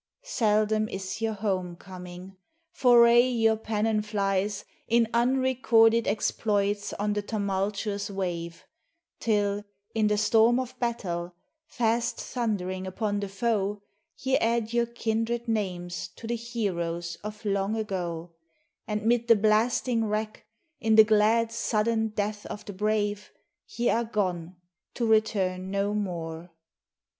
Seldom is your home coming; for aye your pennon flies In unrecorded exploits on the tumultuous wave; Till, in the storm of battle, fast thundering upon the foe, Ye add your kindred names to the heroes of long ago, And mid the blasting wrack, in the glad sudden death of the brave, Ye are gone to return no more.